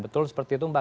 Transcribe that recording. betul seperti itu mbak